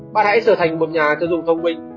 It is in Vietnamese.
bạn hãy trở thành một nhà tiêu dùng thông minh